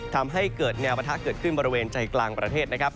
ทำให้เกิดแนวประทะเกิดขึ้นบริเวณใจกลางประเทศนะครับ